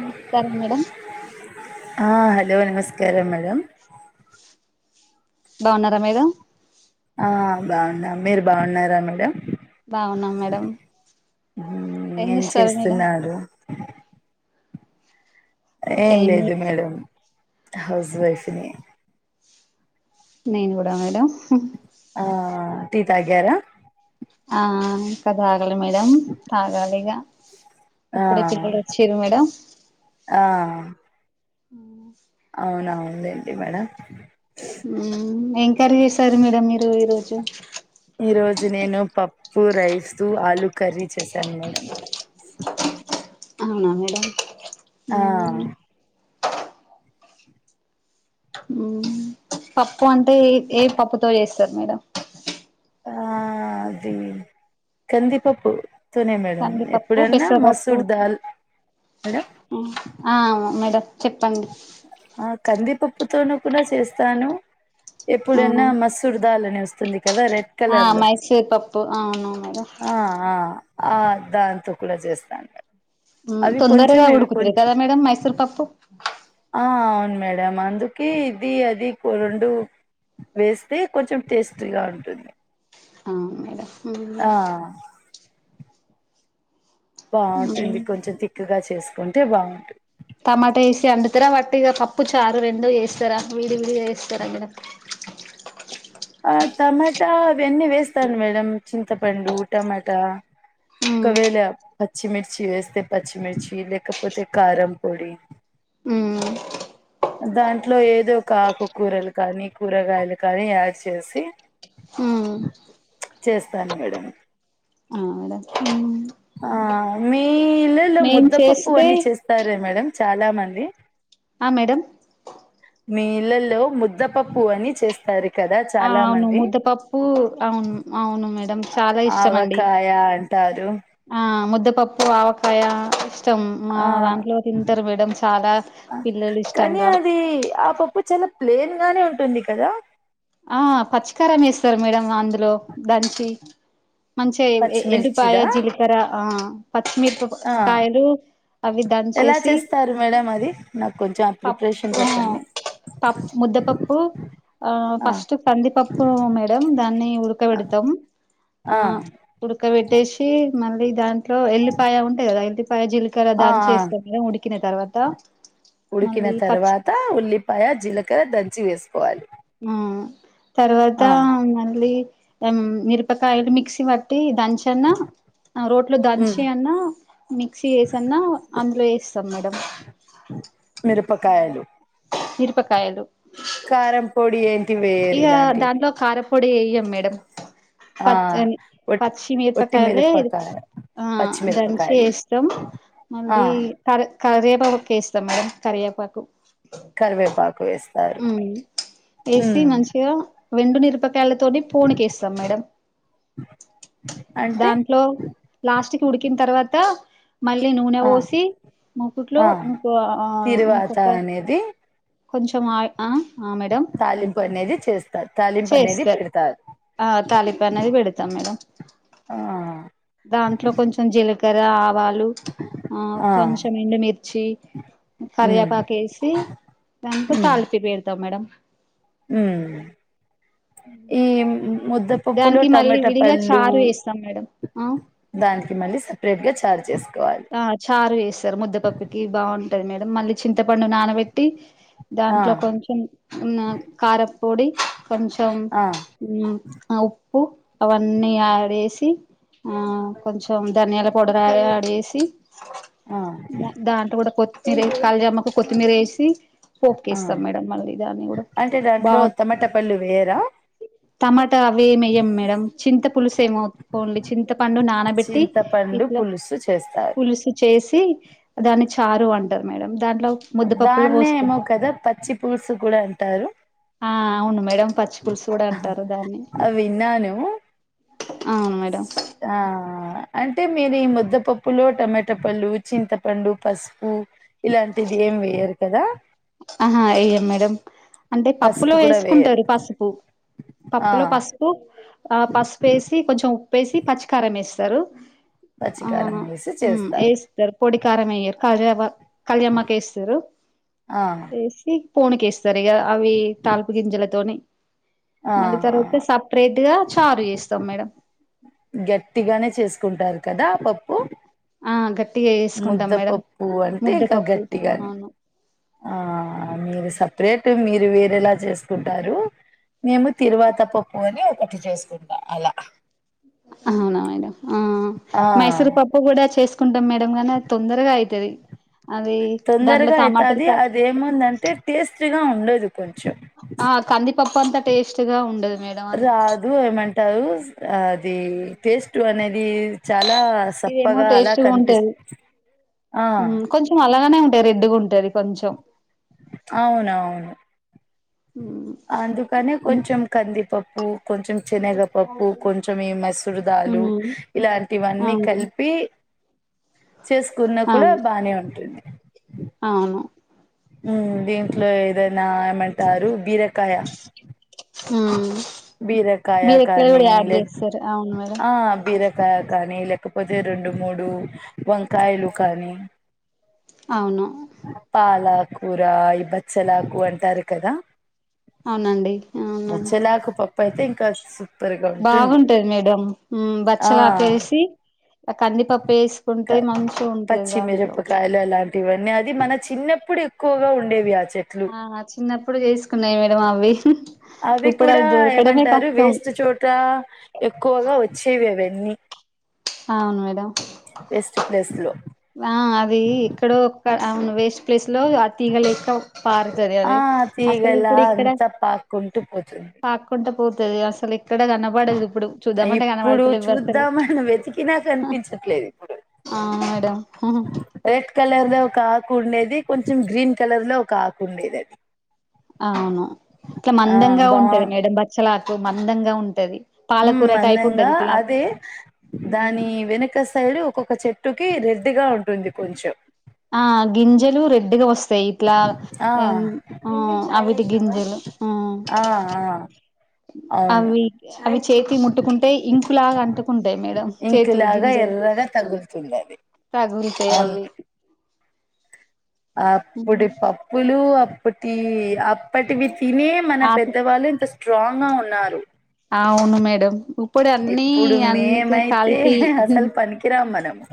నమస్కారం మేడం ఆ హలో నమస్కారం మేడం బాగున్నారా మేడం ఆ బాగున్న మీరు బాగున్నారా మేడం బాగున్నాం మేడం మ్ ఏం చేస్తారు మేడం చేస్తున్నారు ఏం లేదు మేడం హౌస్ వైఫ్ ని నిను కూడా మేడం ఆ టి తాగారా ఆ ఇంకా తాగలే మేడం తాగాలి ఇగ ఆ ఇప్పుడే పిల్లలోచ్చిర్రు మేడం ఆ అవునావుందెండి మేడం మ్ ఎంకర్రి చేసారు మేడం మీరు ఈరోజు ఈ రోజు నేను పప్ ప్పు రైస్ ఆలు కర్రీ చేసాను మేడం అవునా మేడం ఆ పప్పు అంటే ఏ పప్పుతో చేస్తారు మేడం ఆ అది కందిీపప్పు కందిీపప్పు పెసరుపప్పు దాల్ మేడం ఆ మేడం చెప్పండి ఆ కందిపప్పుతోను కూడా చేస్తాను ఎప్పుడన్నా మస్ూరదాలనేస్ వస్తుంది కదా రెడ్ ఆ కలర్ లో మైసూర్ పప్పు అవును మేడం ఆ అ ఆ దాంతో కూడా చేస్తాను మ్ అవి కొంచెం తొందరగా ఇవి ఉడ్కుతది కొంచెం కదా మేడమ్ మైసూర్ పప్పు ఆ అవును మేడం అందుకే ఇది అది రెండు వేస్తే కొంచెం టేస్టీగా ఉంటుంది ఆ మేడం ఆ బాగుంటుంది కొంచెం తిక్కుగా చేసుకుంటే బాగుంటుంది టమాటా వేసి అండుతారా వట్టిగా పప్పు చారు రెండు వేస్తారా విడి విడిగ చేస్తారా మేడం ఆ టమాటా అవన్నీ వేస్తాను మేడం చింతపండు టమాటా ఓకవేల పచ్చిమిర్చి వేస్తే పచ్చిమిర్చి లేకపోతే కారం పొడి మ్మ్ దాంట్లో ఏదో ఒకఆకూరలు కానీ కూరగాయలు కాని యాడ్ చేసి మ్మ్ చేస్తాను మేడం ఆ మేడం ఆ మీ ఇళ్లళ్ళో మేం ముద్దపప్పు చేస్తే అని చేస్తారే మేడం చాలా మంది ఆ మేడం మీ ఇళ్లళ్ళో ముద్దపప్పు అని చేస్తారు కదా ఆ చాలా అవును మంది ముద్దపప్పు అవును అవును మేడం చాలా ఇష్టం అండి ఆవకాయ అంటారు ఆ ముద్దపప్పు ఆవకాయ సం మా ఆ దాంట్లో తింటర్ మేడం చాలా ఆ, పిల్లలు కానీ ఇష్టంగా అది ఆ పప్పు చాలా ప్లేన్ గానే ఉంటుంది కదా ఆ పచ్చికారం వేస్తారు మేడం అందులో దంచి మంచిగ ఎ ఎల్లిపాయ పచ్చిమిర్చిదా జిల్కర ఆ ఆ పచ్చిమిరప ఆ కాయలు అవి ఎలా దంచేసి చేస్తారు మేడం అది నాకు కొంచెం ఆ పప్పు ప్రిపరేషన్ చెప్పండి పప్ ముద్ద పప్పు ఆ ఫస్ట్ కందిపప్పు మేడం దాన్ని ఉడకబెడతం ఆ ఉడుకవెట్టేసి మళ్ళీ దాన్ ట్లో ఎల్లిపాయ ఉంటయ్ గదా ఎల్లిపాయ జీల్కర్ర ఆ దంచి ఆ ఏస్తంగా ఉడికిన తర్వాత ఉడికిన మళ్ళీ పచ్చి తర్వాత ఉల్లిపాయ జీలకర దంచి వేస్ ఆ ఆ తర్వాతా మళ్ళీ ఎం మిరుపకాయలు మిక్సి వట్టీ దంచన్నా రోట్లో ఉమ్ దంచి అన్నా మిక్సీ ఏసి అన్న అందులో ఏస్ సర్ మేడం పకాయలు మిరుపకాయలు కారం పొడి ఎయ్ ఇగా దాంట్లో కారప్పొడి ఎయ్యం మేడం ఆ పచ్చని వట్ పచ్చి వట్టి మిరపకాయలే మిరపకాయ ఆ దంచి పచ్చిమిరపకాయలు ఎస్తం ఆ మళ్ళీ కర కరేపాకుకేస్తం మేడం కరియేపాకు కరివేపాకు ఏస్తారు ఉ తి మంచిగా వెండు నిరుపతి త్యాళ్ళతోని పోనికేస్సం మేడం అంటే దాంట్లో లాస్ట్ ఉడికిన్ తర్వాత మళ్ళీ నూనె ఆ వోసి మూకుట్లో ఆ ఇంకో ఆ తిరువాత ఇంకొక అనేది కొంచెం ఆయ్ ఆ ఆ మేడం తాలింపు అనేది చేస్తారు తాలింపు అనేది చేస్తర్ పెడతారు ఆ తాలింపు అన్నది బెడతం మేడం ఆ దాంట్లో కొంచెం జీలకర్ర ఆవాల్ లు ఆ కొంచెం ఎండు మిర్చి ఉమ్ కర్యేపాకు ఏసి దాంట్లో తాలింపి బెడతాం మేడం ఏం ముద్దపప్పులో దానికి మళ్ళీ టమాటా విడిగా పళ్ళో చారు వేస్తాం మేడం ఆ దాన్ మళ్ళి సపరేట్ గా చారు చేస్ ఆ చారు ఏస్సరు ముద్దపప్పుకి బా ఉంటది మేడం మళ్ళీ చింతపండు నానవెట్టి ఆ దాంట్లో కొంచెం ఉన్న కారప్పొడి కొంచెం ఆ ఊ ఆవ్ పు అవన్నీ యాడ్ ఏసి ఆ కొంచెం ధనియాల పౌడర్ ఆ యాడ్ జేసి సి ఆ ర దాంట్లో గూడ కొత్తిమీర కళ్యామాకూ కొత్తిమీర్ ఏంసి పోప్ ఆ కేస్తాం మేడం మళ్ళీ దాన్ని గూడా అంటే బా దాంట్లో టమాటా పళ్ళు వేయరా టమా త అవి ఏం ఎయ్యం మేడం చింత పులుసేమో ఓన్లి చింతపండు నానబెట్టి చింతపండు ఇట్ల పులుసు చేస్తారు పులుసు చేసి దాన్ని చారు అంటారు మేడం దాంట్లో ముద్దపప్పులు దాన్నే ఏమో పోసుకుంటారు కదా పచ్చి పులుసు కూడా అంటారు ఆ అవును మేడం పచ్చి పలుసు గూడా అంటారు దాన్ని అవి విన్నాను అవును మేడం ఆ అంటే మీరు ఈ ముద్దపప్పులో టమాటా పళ్ళు చింతపళ్ళు పసుపు. ఇలాంటిది ఏం వేయ్యరు కదా. ఆహా వెయ్యం మేడం అంటే పప్పులో పసుపు కూడా వేయరు వేసుకుంటారు పసుపు. ఆ పప్పులో పసుపు ఆ పసుపు వేసి కొంచెం ఉప్పేసి పచ్చికారం వేస్తారు. పచ్చికారం ఆహ్ వేసి చేస్తారు ఏస్తారు పొడి కారమేయరు. కర్యేపకు కల్యామాకు వేస్తారు ఆ వేసి పోనికి వేస్తారు. సరిగా అవి తాల్పు గింజలతోని. ఆ మళ్ళీ తర్వాత ఆ సపరేట్ గా చారు చేస్తాం మేడం. గట్టిగానే చేసుకుంటారు కదా పప్పు. ఆహ్ గట్టిగా వేసుకుంటాం మేడం ముద్దపప్పు ముద్దపప్పు అవును. ఆహ్ మీరు సపరేట్ మీరు వేరేలా చేసుకుంటారు. మేము తిరువాత పప్పు అని ఒకటి చేసుకుంటాం అలా. అవునా మేడం ఆహ్ ఆ మైసూర్ పప్పు కూడా చేసు. చేసుకుంటాం మేడం గానీ అది తొందరగా అయితది. అది దాంట్లో తొందరగా టమాటలు అవుతది అది ఏముందంటే టేస్ట్ గా ఉండదు. కొంచెం ఆహ్ కందిపప్పు అంతా టేస్ట్ గా ఉండదు. మేడం అది కాదు ఏమంటారు అది టేస్ట్ అనేది. చాలా సప్పగా అలా కనిపిస్తుంది. ఇంకొంచెం అలాగనే ఉంటాయి రెడ్డుగా ఉంటుది కొంచెం అవున అవును హ్మ్. అందుకనే హ్మ్. కొంచెం కందిపప్పు. కొంచెం శనగపప్పు కొంచెం ఈ మైసూరు దాలు హ్మ్. ఇలాంటివన్నీ అవును కలిపి. చేసుకున్నా కూడా అవును బానే ఉంటుంది. అవును. దీంట్లో ఏదైనా ఏమంటారు బీరకాయ. హ్మ్. బీరకాయ కానీ కూడా యాడ్ లేకపో చేస్తారు అవును మేడం ఆహ్ బీరకాయ. కానీ లేకపోతే రెండు మూడు వంకాయలు కానీ. అవును. పాలకురా ఈబచ్చలాకు అంటారు కదా. అవునండి. అవునండి బచ్చెలకు పప్పు అయితే ఇంకా సుప్. బాగుంటది మేడం ఉమ్ బచ్చలాకు వేసి ఇంకా ఉంటది దాంట్లో పచ్చిమిరపకాయలు అలాంటివన్నీ అది మన చిన్నప్పుడు. ఎక్కువగా ఉండేవి ఆహ్ చి. ఆహ్ చిన్నప్పుడు చేసుకున్నాయి మేడం అవి. అవి ఇప్పుడు కూడా అది దొరకడమే ఏమంటారు కష్టం వేస్ట్ చోట ఎక్కువగా వచ్చేవి అవి. అన్ని. అవును మేడం. ప్లేస్ లో ఆహ్ అది ఇక్కడో ఒక్క అవును వేస్ట్ ప్లేస్ లో ఆ తీగలేక్క. పారుతాది ఆ అదే అసలు తీగలా ఇప్పుడు ఇక్కడ అంతా పాక్కుంటూ పోతుంది పాకుకుంట. పోతది అసలే. ఇక్కడ కనపడదు ఇప్పుడు చూద్దామంటే ఇప్పుడు కనపడతలే ఇవ్వి అసలు. చూద్దామని వెతికినా కనిపించట్లేదు ఇప్పుడు ఆహ్ మేడం. రెడ్ కలర్ లో ఒక ఆకు ఉండేది కొంచెం గ్రీన్ కలర్ లో ఒక ఆకు ఉండేది అది. అవును ఇట్లా ఆ మందంగా బా ఉంటది మేడం బచ్చలాకు మందంగా ఉంటది. ఉ పాలకూర టైప్ అందంగా ఉంటది ఇట్లా అదే దాని వెనుక సైడ్ ఒక్కొక్క చెట్టుకి రెడ్గా ఉంటుంది కొంచెం ఆ గింజలు రెడ్డిగా వస్త సెట్లా ఆ అవిటి గింజలు ఆ ఆ ఆ అవును అవి చె అవి చేతి ముట్టుకుంటే ఇంకులాగా అంటుకుంటాయి మేడం చేతులు ఇంకులాగా గింజలు ఎర్రగా తగులుతుంది అది సాగురికాయ అవును అవి అప్పుటి పప్పులు అప్పటి అప్ బట్ ఇవి తినే మన ఆకు పెద్దవాళ్ళు ఇంత స్ట్రాంగ్ గా ఉన్నారు అవును మేడం ఇప్పుడు అన్నిీ ఇప్పుడు అన్నిక మేమైతే కాలిటీ అసలు పనికిరాం మనము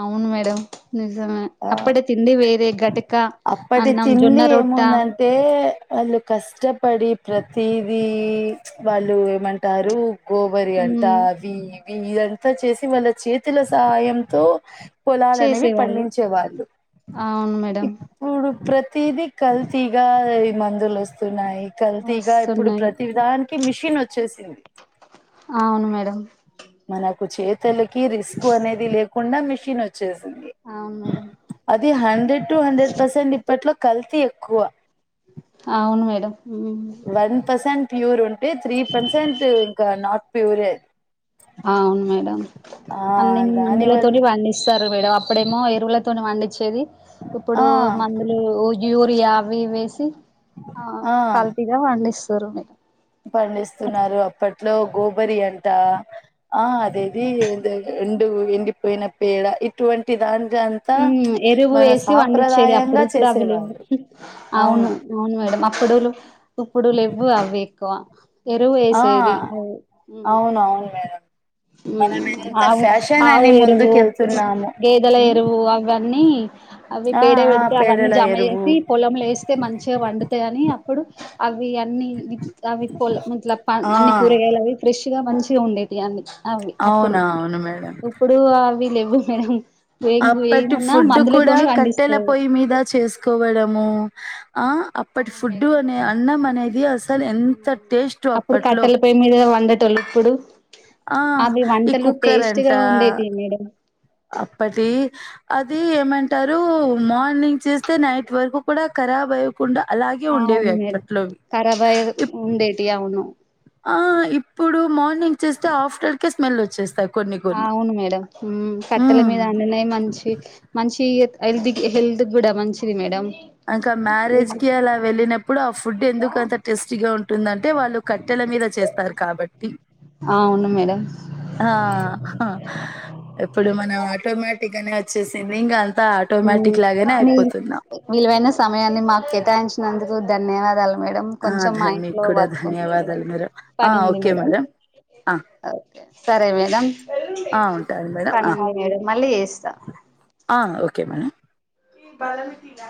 అవును మేడం నిజమే ఆ అప్పుడే తిండి వేరే ఘటక అన్నం జొన్న రొట్ట అంటేవాళ్ళు కష్టపడి ప్రతిదీ వాళ్ళు ఇమంటారు కోబరి అంట హ్మ్ అవి ఇదంతా చేసి వాళ్ళ చేతుల సహాయంతో కుొలలు అనేవి చేసేవాళ్ళు పండించ అవును మేడంమ్ ఇప్పుడు ప్రతిదీ కల్తీగా ఈ మందులు వస్తున్నాయి కల్తీగా ఇప్పుడు వస్తున్నాయి ప్రతి విధానికి మిషన్ వచ్చేసింది అవును మేడం మనకు చేతులకి రిస్క్ అనేది లేకుండా మిషన్ వచ్చ చేసింది. అవును మేడం అది హండ్రెడ్ టు హండ్రెడ్ పర్సెంట్ ఇప్పట్లో కల్తీ ఎక్కువ అవున్ మేడం హ్మ్ వన్ పర్సెంట్ ప్యూర్ ఉంటే త్రీ పర్సెంట్ ఇంక నాట్ ప్యూరెది అ అవును మేడం అన్ని దాని మందుల వల్ల తోటి పండిస్తారు అప్పుడేమో ఎరువుల తోని పండిచ్చేది. ఇప్పుడు ఆ మ యూరియ అవి ఇవివేసి ఆ కల్తీగా పండిస్తారు మీరు పండిస్తున్నారు అప్పటి ఇంట్లో గోబరి అంట ఆ అదేది ఎండు ఎండిపోయిన పేడ ఇటువంటి దాన్ని ఎరువు వేసి పండించేది సాంప్రదాయంగా అప్పుడుప్పుడు అవి లేవు చేసేవాళ్ళు అవును అవును మేడం ఇప్పుడులు ఇప్పుడు లెవ్వు అవి ఎక్కువ ఆ ఎరువేసేది అ అవును అవును మేడం మనం ఎంత ఆవు ఫ్యాషన్ ఆవు అని ఎరువు ముందుకెళ్తున్నాము గేదల ఉమ్, ఎరువు అవి ని అవి ఆ పేడ ఆ పెడితే అవన్నీ పేడల జమ ఎరువు చేసి పొలం లే వస్తే మంచిగ వండుతాయి అని ఇప్పుడు అవి అన్ని అవి పోల్ మల అన్ని ఆ కూరగాయలు అవి ఫ్రెష్ నీట్గా మంచిగ ఉండేది అన్ని అవి అప్పుడు అవునా అవును మేడం ఇప్పుడు అవి లేవు మేడం ఏం అప్పటి ఏమన్నా ఫుడ్డు కూడ మందులతోని కట్టెల పండిస్తారు పొయ్యి మీద చేసుకోవడము ఆ అప్పటి అవును ఫుడ్డు మేడం అనే అన్నం అనేది అసలు ఎంత టేస్ట్ అప్పట్లో పిండేటోల్లు ఇప్పుడు ఆ అవి ఈ వంటలు కుక్కర్ అంట టేస్ట్గా ఉండే టివి మేడం అప్పటి అది ఏమంటారు మార్నింగ్ చేస్తే నైట్ వరకు కూడ క ఖరాబ్ అయకుండ అలాగే ఉండేవి అవును మేడం అప్పట్లోవి ఖరాబ్ అయ్యే ఉండేటివి అవును ఆ ఇప్పుడు మార్నింగ్ చేస్తే ఆఫ్టర్కే స్మెల్ వచ్చేస్తాయి కొన్ని ఆ కొన్ని అవును మేడం కట్టెల మీద ఉమ్ వండినాయి మంచి మంచి హెల్త్ హెల్త్ కూడ మంచిది మేడం ఇంకా మ్యారేజ్ కి అలా వెళ్ళినప్పుడు ఆ ఫుడ్ ఎందుకు అంత టేస్టీగా ఉంటుందంటే వాళ్ళు కట్టెల మీద చేస్తారు కాబట్టి అవును మేడం ఆ ఇప్పుడు మనం ఆటోమటిక్గా వచ్చేసిమింగ్ అంతా మ్మ్ ఆటోమేటిక్ లాగానే మీ అయిపోతున్నాం విలువైన సమయాన్ని మాకు కేటాయించినందుకు ధన్యవాదాలు మేడం ఆ కొంచెం మా ధన్ని ఇంట్లో కూడాడ వర్క్ ఉంది ధన్యవాదాలు మేడం ఆ పని ఉంది ఓకే మేడం మేడంమ్ ఓకే సరే మేడం ఆ! ఉంటాను మేడం. ఆ! పనున్నది మేడం మళ్ళీ చేస్తా ఆ ఓకే మేడం ఈ బలమిటీలా